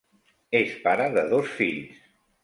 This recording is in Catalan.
És pare de dos fills.